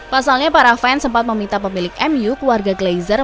pasalnya para fans sempat meminta pemilik mu keluarga glaser